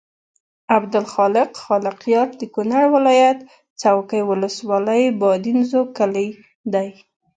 عبدالخالق خالقیار د کونړ ولایت څوکۍ ولسوالۍ بادینزو کلي دی.